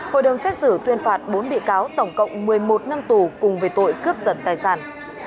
hội đồng xét xử tuyên phạt bốn bị cáo tổng cộng một mươi một năm tù cùng về tội cướp giật tài sản